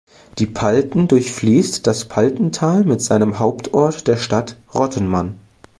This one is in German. Die Palten durchfließt das Paltental mit seinem Hauptort, der Stadt Rottenmann.